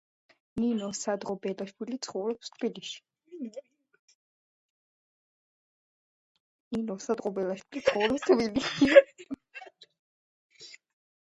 ნინო სადღობელაშვილი ცხოვრობს თბილისში.